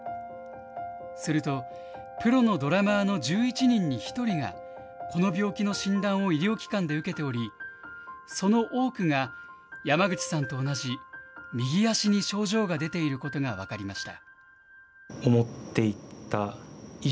すると、プロのドラマーの１１人に１人が、この病気の診断を医療機関で受けており、その多くが、山口さんと同じ、右足に症状が出ていることが分かりました。